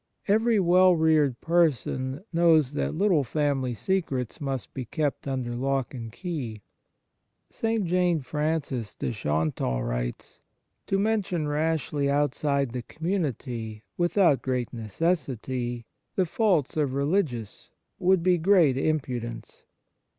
Every well reared person knows that little family secrets must be kept under lock and key. St. Jane Frances de Chantal writes :" To mention rashly outside the community with out great necessity the faults of religious would be great impudence.